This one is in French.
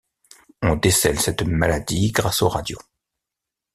On décèle cette maladie grâce aux radios.